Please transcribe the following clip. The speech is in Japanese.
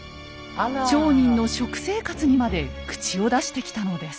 町人の食生活にまで口を出してきたのです。